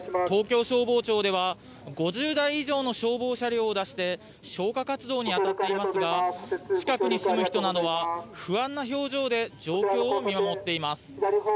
東京消防庁では５０台以上の消防車を出して消火活動にあたっていますが近くに住む人などは不安な表情で上空を見守っています。